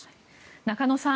中野さん